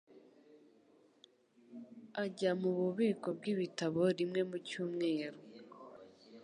Ajya mububiko bwibitabo rimwe mu cyumweru.